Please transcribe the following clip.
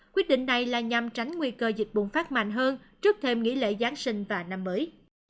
quyết định này là nhằm tránh nguy cơ dịch bùng phát mạnh hơn trước thêm nghỉ lễ giáng sinh và năm mới